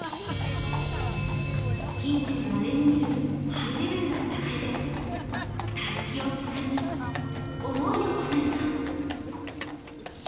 近年まれに見るハイレベルな戦いでたすきをつなぎ、思いをつなぎます